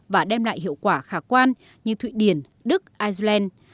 và đem lại hiệu quả khả quan như thụy điển đức ireland